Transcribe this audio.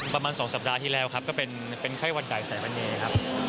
ประมาณ๒สัปดาห์ที่แล้วครับก็เป็นไข้หวัดใหญ่สายวันนี้ครับ